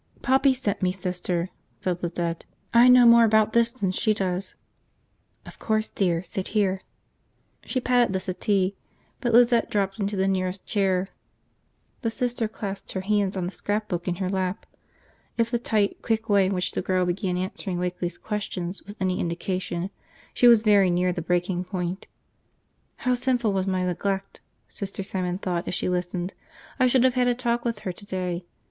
"Poppy sent me, Sister," said Lizette. "I know more about this than she does." "Of course, dear. Sit here." She patted the settee; but Lizette dropped into the nearest chair. The Sister clasped her hands on the scrapbook in her lap. If the tight, quick way in which the girl began answering Wakeley's questions was any indication, she was very near the breaking point. How sinful was my neglect, Sister Simon thought as she listened. I should have had a talk with her today.